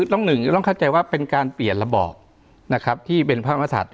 หนึ่งจะต้องเข้าใจว่าเป็นการเปลี่ยนระบอบนะครับที่เป็นพระมศัตริย